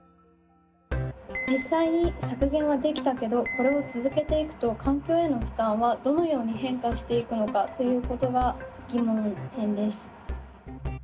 実際に削減はできたけどこれを続けていくと環境への負担はどのように変化していくのかということが疑問点です。